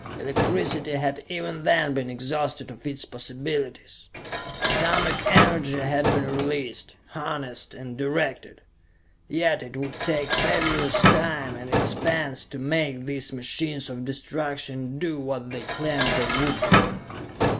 Electricity had even then been exhausted of its possibilities. Atomic energy had been released, harnessed, and directed. Yet it would take fabulous time and expense to make these machines of destruction do what they claimed they would do.